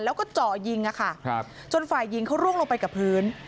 แล้วก็เจาะยิงจนฝ่ายหญิงเขาร่วงลงไปกับพื้น